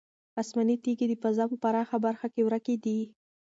آسماني تیږې د فضا په پراخه برخه کې ورکې دي.